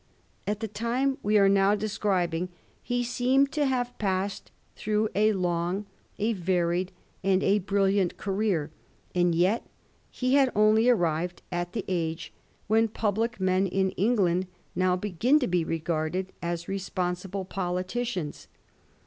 At the time we are now describing he seemed to have passed through a long, a varied, and a brilliant career, and yet he had only arrived at the age when public men in England now begin to be regarded as respon sible politicians.